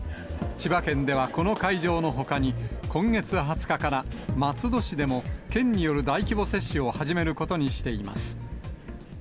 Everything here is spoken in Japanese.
千葉県ではこの会場のほかに、今月２０日から松戸市でも、県による大規模接種を始めることにしています。